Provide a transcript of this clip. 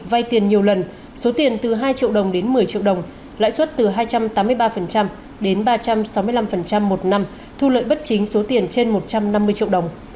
vay tiền nhiều lần số tiền từ hai triệu đồng đến một mươi triệu đồng lãi suất từ hai trăm tám mươi ba đến ba trăm sáu mươi năm một năm thu lợi bất chính số tiền trên một trăm năm mươi triệu đồng